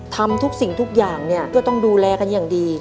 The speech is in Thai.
ทำทุกสิ่งทุกอย่างเนี่ยก็ต้องดูแลกันอย่างดี